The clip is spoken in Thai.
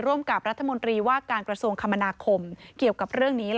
ร่วมกับรัฐมนตรีว่าการกระทรวงคมนาคมเกี่ยวกับเรื่องนี้